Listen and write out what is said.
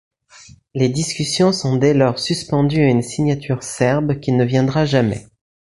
Les discussions sont dès lors suspendues à une signature serbe qui ne viendra jamais.